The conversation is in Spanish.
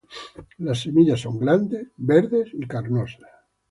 Las semillas son grandes, verdes y carnosas.